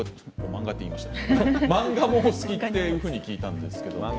漫画もお好きというふうに聞いたんですけど。